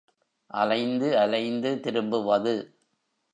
அலைந்து அலைந்து திரும்புவது.